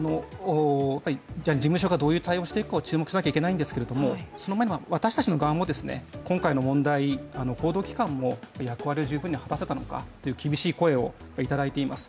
事務所がどういう対応をしていくか注目しなければいけないんですけれどもその前に、私たちの側も今回の問題報道機関も役割を十分に果たせたのかという厳しい声をいただいています。